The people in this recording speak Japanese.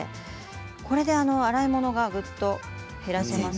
これで洗い物がぐっと減らせます。